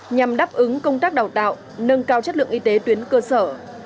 nhằm đáp ứng công tác đào tạo nâng cao chất lượng y tế tuyến cơ sở